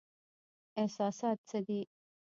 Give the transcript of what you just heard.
احساسات څه دي؟